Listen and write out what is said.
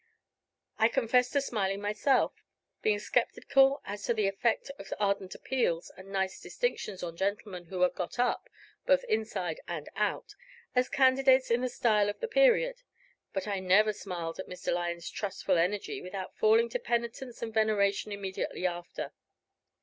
I confess to smiling myself, being sceptical as to the effect of ardent appeals and nice distinctions on gentlemen who are got up, both inside and out, as candidates in the style of the period; but I never smiled at Mr. Lyon's trustful energy without falling to penitence and veneration immediately after.